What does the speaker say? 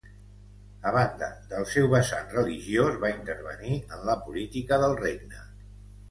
A banda del seu vessant religiós, va intervenir en la política del regne.